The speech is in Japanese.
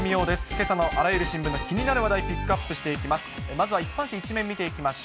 けさのあらゆる新聞の気になる話題、ピックアップしていきます。